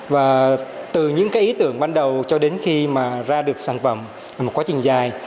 và từ những cái ý tưởng ban đầu cho đến khi mà ra được sản phẩm là một quá trình dài